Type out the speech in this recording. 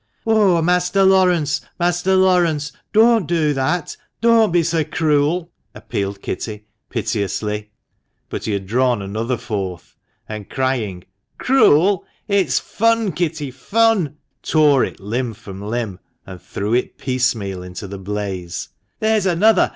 "Oh, Master Laurence! Master Laurence! don't do that — don't be so cruel !" appealed Kitty, piteously. But he had drawn another forth, and crying, " Cruel ! It's fun, Kitty — fun !" tore it limb from limb, and threw it piecemeal into the blaze. " There's another